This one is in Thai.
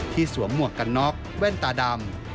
สวมหมวกกันน็อกแว่นตาดำ